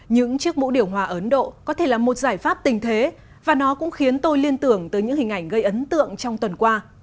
những chiếc mũ điểu hòa ấn độ có thể là một giải pháp tình thế và nó cũng khiến tôi liên tưởng tới những hình ảnh gây ấn tượng trong tuần qua